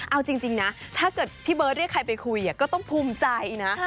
เอาจริงนะถ้าเกิดพี่เบิร์ตเรียกใครไปคุยก็ต้องภูมิใจนะ